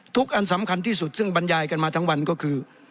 อันสำคัญที่สุดซึ่งบรรยายกันมาทั้งวันก็คือ